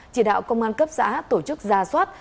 chỉ đạo công an cấp xã tổ chức ra soát